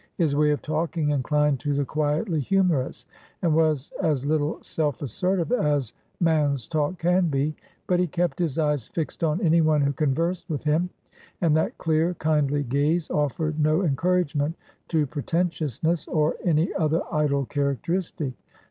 His way of talking inclined to the quietly humorous, and was as little self assertive as man's talk can be; but he kept his eyes fixed on anyone who conversed with him, and that clear, kindly gaze offered no encouragement to pretentiousness or any other idle characteristic.